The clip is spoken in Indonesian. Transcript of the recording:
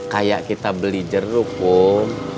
kayak kita beli jeruk pun